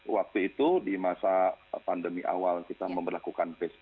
waktu itu di masa pandemi awal kita memperlakukan psbb